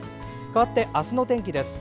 かわって明日の天気です。